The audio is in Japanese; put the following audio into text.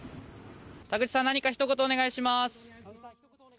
田口さん何かひと言お願いします。